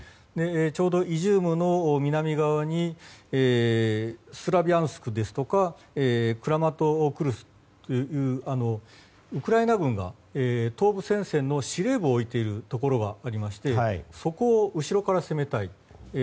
ちょうど、イジュームの南側にスラビャンスクですとかクラマトルスクというウクライナ軍が東部戦線の司令部を置いているところがありましてそこを後ろから攻めたい。